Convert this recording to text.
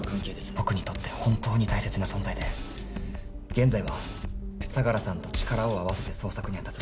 僕にとって本当に大切な存在で現在は相良さんと力を合わせて捜索に当たっています。